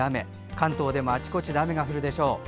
関東でもあちらこちらで雨が降るでしょう。